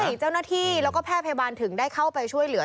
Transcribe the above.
เจ้าหน้าที่แล้วก็แพทย์พยาบาลถึงได้เข้าไปช่วยเหลือ